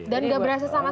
dan gak berasa sama sekali